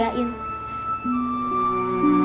febri ulangi ya pak